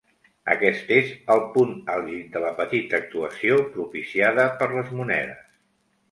Aquest és el punt àlgid de la petita actuació propiciada per les monedes.